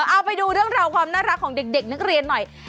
เอาไปดูเรื่องราวความน่ารักของเด็กนักเรียนหน่อย